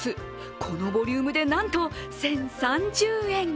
このボリュームでなんと１０３０円。